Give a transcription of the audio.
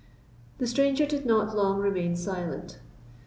The stranger did not long remain silent.